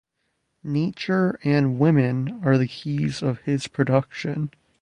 Nature and women are the keys of his production.